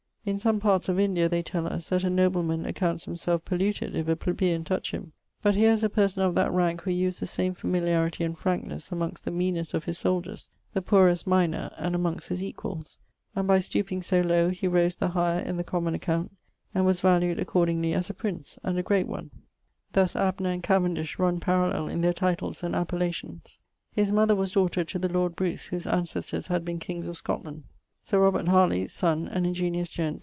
In some parts of India, they tell us, that a nobleman accounts himselfe polluted if a plebeian touch him; but here is a person of that rank who used the same familiaritie[XLII.] and frankness amongst the meanest of his souldiers, the poorest miner, and amongst his equalls; and by stooping so low, he rose the higher in the common account, and was valued accordingly as a prince, and a great one; thus Abner and Cavendish run parallell in their titles and appellations. [XLI.] His mother was daughter to the lord Bruce, whose ancestors had been kings of Scotland. [XLII.] Sir Robert Harley (son), an ingeniose gent.